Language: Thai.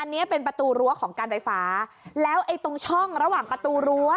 อันนี้เป็นประตูรั้วของการไฟฟ้าแล้วไอ้ตรงช่องระหว่างประตูรั้ว